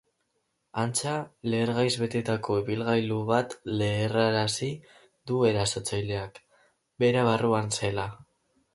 Antza, lehergaiz betetako ibilgailu bat leherrarazi du erasotzaileak, bera barruan zela.